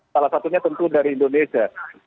salah satunya tentu dari indonesia